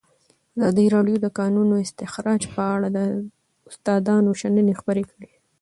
ازادي راډیو د د کانونو استخراج په اړه د استادانو شننې خپرې کړي.